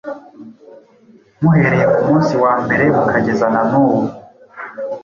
muhereye ku munsi wa mbere, mukageza na n’ubu.